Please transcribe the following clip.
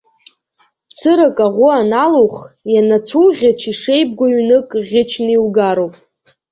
Цырак аӷәы аналух, ианацәуӷьыч, ишеибгоу ҩнык ӷьычны иугароуп.